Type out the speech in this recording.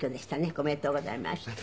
ありがとうございます。